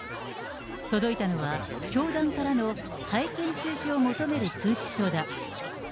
届いたのは、教団からの会見中止を求める通知書だ。